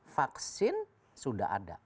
vaksin sudah ada